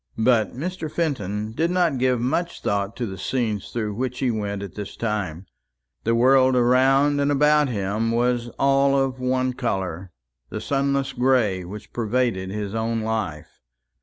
But Mr. Fenton did not give much thought to the scenes through which he went at this time; the world around and about him was all of one colour the sunless gray which pervaded his own life.